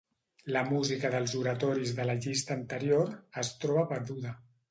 La música dels oratoris de la llista anterior es troba perduda.